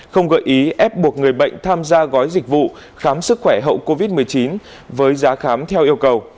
không gợi ý ép buộc người bệnh tham gia gói dịch vụ khám sức khỏe hậu covid một mươi chín với giá khám theo yêu cầu